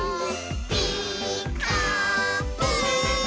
「ピーカーブ！」